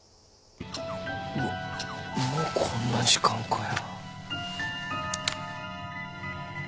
うわっもうこんな時間かよ。